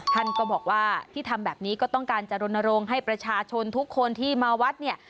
ท่านก็บอกว่าที่ทำแบบนี้ก็ต้องการจะรณรงค์ให้ประชาชนทุกคนที่มาวัดเนี่ย